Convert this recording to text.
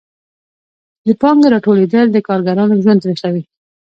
د پانګې راټولېدل د کارګرانو ژوند تریخوي